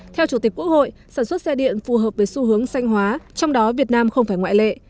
theo chủ tịch quốc hội sản xuất xe điện phù hợp với xu hướng xanh hóa trong đó việt nam không phải ngoại lệ